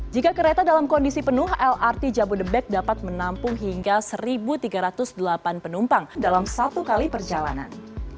jika kereta dalam kondisi penuh lrt jabodebek dapat menampung hingga satu tiga ratus delapan penumpang dalam satu kali perjalanan